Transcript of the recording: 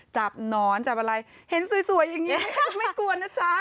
หนอนจับอะไรเห็นสวยอย่างนี้ไม่กลัวนะจ๊ะ